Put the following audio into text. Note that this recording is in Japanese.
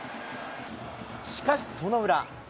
しかしその裏。